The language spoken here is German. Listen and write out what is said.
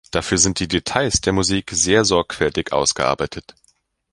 Dafür sind die Details der Musik sehr sorgfältig ausgearbeitet.